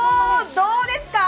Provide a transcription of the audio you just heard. どうですか？